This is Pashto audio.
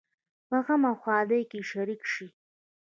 په غم او ښادۍ کې شریک شئ